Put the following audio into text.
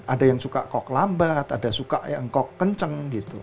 ada yang suka kok lambat ada suka yang kok kenceng gitu